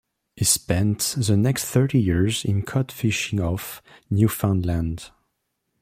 He spent the next thirty years in cod fishing off Newfoundland.